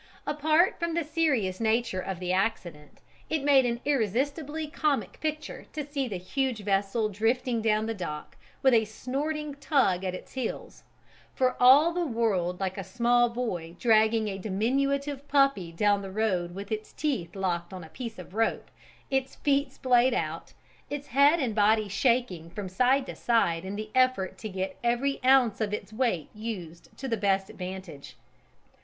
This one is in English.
Apart from the serious nature of the accident, it made an irresistibly comic picture to see the huge vessel drifting down the dock with a snorting tug at its heels, for all the world like a small boy dragging a diminutive puppy down the road with its teeth locked on a piece of rope, its feet splayed out, its head and body shaking from side to side in the effort to get every ounce of its weight used to the best advantage.